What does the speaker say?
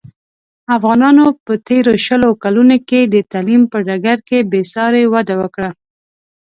افغانانو په تېرو شلو کلونوکې د تعلیم په ډګر کې بې ساري وده وکړله.